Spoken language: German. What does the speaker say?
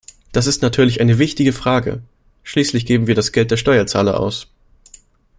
Das ist natürlich eine wichtige Frage, schließlich geben wir das Geld der Steuerzahler aus.